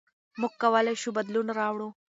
موږ کولای شو بدلون راوړو.